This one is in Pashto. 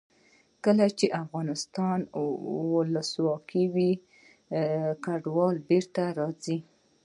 کله چې افغانستان کې ولسواکي وي کډوال بېرته راځي.